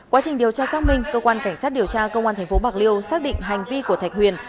quá trình điều tra xác minh cơ quan cảnh sát điều tra công an tp bạc liêu xác định hành vi của thạch huyền